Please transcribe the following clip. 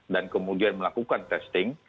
dan kemudian melakukan testing